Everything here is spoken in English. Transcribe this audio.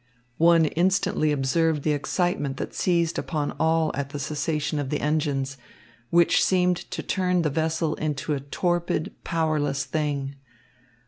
One instantly observed the excitement that seized upon all at the cessation of the engines, which seemed to turn the vessel into a torpid, powerless thing.